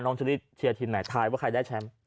น้องชนิดเชียร์ทีมไหนทายว่าใครจะได้แชมพ์